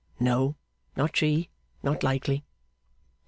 No. Not she. Not likely.